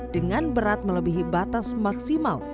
dengan berat melebihi batas maksimal